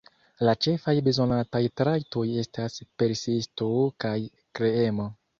La ĉefaj bezonataj trajtoj estas persisto kaj kreemo.